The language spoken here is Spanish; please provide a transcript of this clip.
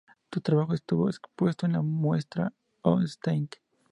Su trabajo estuvo expuesto en la muestra On Stage!